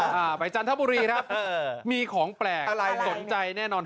เดินไปจันทร์บุรีครับมีของแปลงสนใจแน่นอน